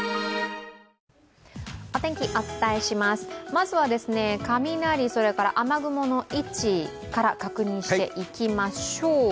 まずは雷、それから雨雲の位置から確認していきましょう。